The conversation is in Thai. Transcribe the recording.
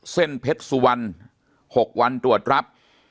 เส้นเพชรสุวรรณ๖วันตรวจรับ